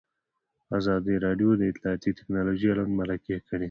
ازادي راډیو د اطلاعاتی تکنالوژي اړوند مرکې کړي.